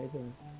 ya dia berenang